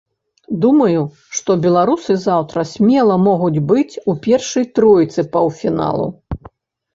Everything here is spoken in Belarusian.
Думаю, што беларусы заўтра смела могуць быць у першай тройцы паўфіналу.